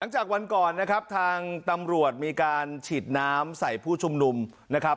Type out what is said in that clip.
จากวันก่อนนะครับทางตำรวจมีการฉีดน้ำใส่ผู้ชุมนุมนะครับ